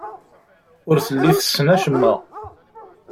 Ur telli tessen acemma.